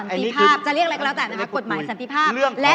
ตีภาพจะเรียกอะไรก็แล้วแต่นะคะกฎหมายสันติภาพ